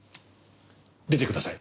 出てください。